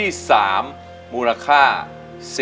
พี่ต้องรู้หรือยังว่าเพลงอะไร